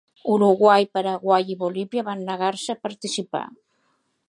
Uruguai, Paraguai i Bolívia van negar-se a participar.